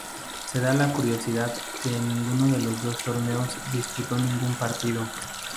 Se da la curiosidad que en ninguno de los dos torneos disputó ningún partido.